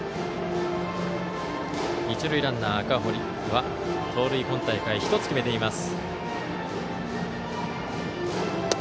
一塁ランナー、赤堀は盗塁、今大会１つ決めています。